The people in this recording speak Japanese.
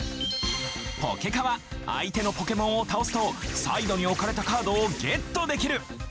ポケカは相手のポケモンを倒すとサイドに置かれたカードをゲットできる。